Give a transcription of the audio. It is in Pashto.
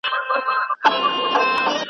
بيا به سور دسمال تر ملا کي ,